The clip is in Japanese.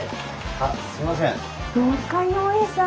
あすいません。